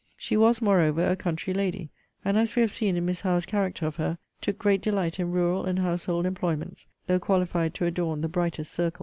She was, moreover, a country lady; and, as we have seen in Miss Howe's character of her, took great delight in rural and household employments; though qualified to adorn the brightest circle.